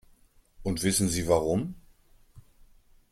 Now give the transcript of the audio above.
Und wissen Sie warum?